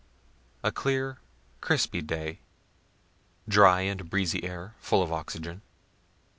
A clear, crispy day dry and breezy air, full of oxygen.